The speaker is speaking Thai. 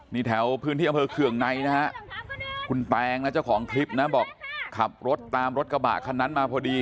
นี่แถวพื้นที่อำเภอเคืองในนะฮะคุณแตงนะเจ้าของคลิปนะบอกขับรถตามรถกระบะคันนั้นมาพอดี